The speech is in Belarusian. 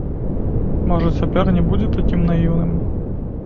Можа, цяпер не будзе такім наіўным.